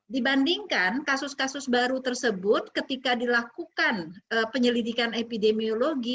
dibandingkan kasus kasus baru tersebut ketika dilakukan penyelidikan epidemiologi